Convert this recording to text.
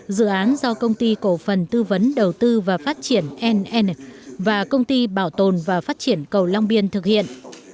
dự án do công ty cổ phần tư vấn đầu tư và phát triển nn và công ty bảo tồn và phát triển cầu long biên thực hiện